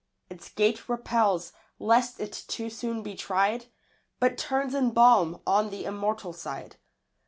Its gate repels, lest it too soon be tried, But turns in balm on the immortal side.